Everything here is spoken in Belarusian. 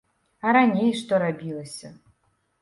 А раней што рабілася!